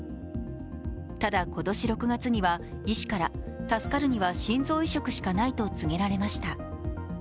ただ、今年６月には医師から助かるには心臓移植しかないと告げられました。